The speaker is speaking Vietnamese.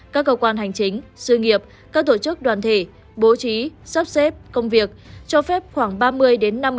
các cơ quan hành chính sư nghiệp các tổ chức đoàn thể bố trí sắp xếp công việc cho phép khoảng ba mươi năm mươi lực lượng cán bộ công chức